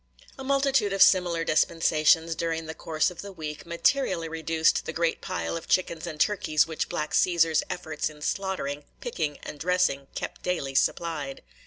A multitude of similar dispensations during the course of the week materially reduced the great pile of chickens and turkeys which black Cæsar's efforts in slaughtering, picking, and dressing kept daily supplied.